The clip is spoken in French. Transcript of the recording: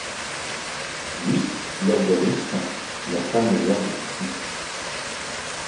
Oui, l'herboriste, la femme aux herbes qui puent.